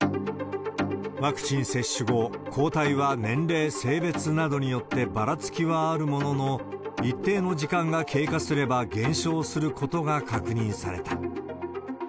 ワクチン接種後、抗体は年齢、性別などによってばらつきはあるものの、一定の時間が経過すれば減少することが確認された。